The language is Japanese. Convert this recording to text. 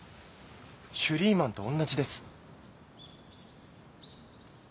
シュリーマンとおんなじです。